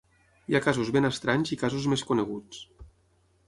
Hi ha casos ben estranys i casos més coneguts.